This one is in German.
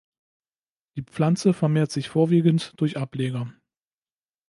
Die Pflanze vermehrt sich vorwiegend durch Ableger.